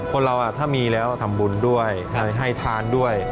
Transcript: คนเราถ้ามีแล้วทำบุญด้วยให้ทานด้วย